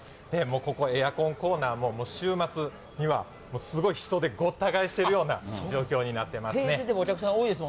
ここ、エアコンコーナーも、もう週末にはもうすごい人でごった返しているような状況になって平日でも、お客さん多いです